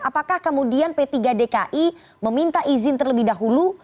apakah kemudian p tiga dki meminta izin terlebih dahulu